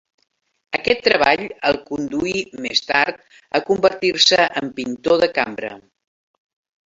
Aquest treball el conduí més tard a convertir-se en pintor de cambra.